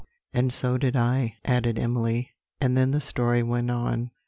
"And so did I," added Emily; and then the story went on.